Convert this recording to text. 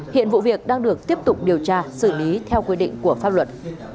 hiện vụ việc đang được tiếp tục điều tra xử lý theo quy định của pháp luật